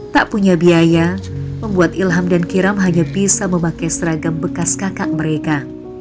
tak punya biaya membuat ilham dan kiram hanya bisa memakai seragam bekas kakak mereka